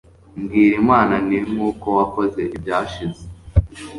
mbwira Imana nti nkuko wakoze ibyashize